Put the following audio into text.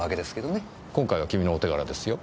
今回は君のお手柄ですよ。